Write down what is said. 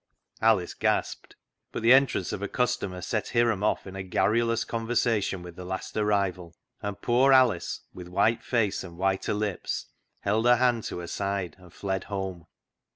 Alice gasped, but the entrance of a customer set Hiram off in a garrulous conversation with the last arrival, and poor Alice, with white face and whiter lips, held her hand to her side and fled home.